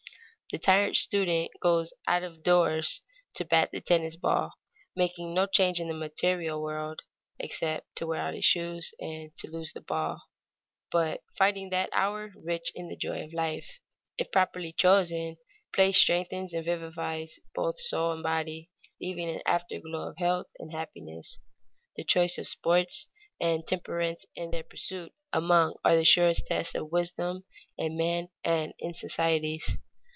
The tired student goes out of doors to bat the tennis ball, making no change in the material world, except to wear out his shoes and to lose the ball, but finding that hour rich in the joy of life. If properly chosen, play strengthens and vivifies both soul and body, leaving an afterglow of health and happiness. The choice of sports and temperance in their pursuit are among the surest tests of wisdom in men and in societies.